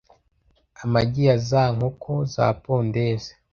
amagi ya za nkoko za pondeze